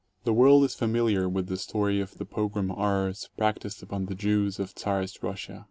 The world is familiar with the story of the pogrom horrors prac ticed upon the Jews of Czarist Russia.